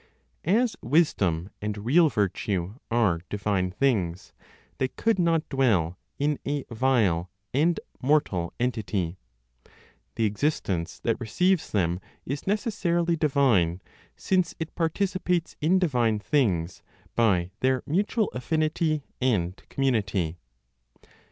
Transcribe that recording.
As wisdom and real virtue are divine things, they could not dwell in a vile and mortal entity; the existence that receives them is necessarily divine, since it participates in divine things by their mutual affinity and community.